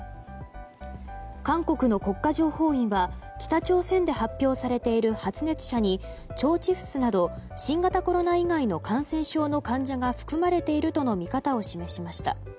韓国の国家情報院は北朝鮮で発表されている発熱者に、腸チフスなど新型コロナ以外の感染症の患者が含まれているとの見方を示しました。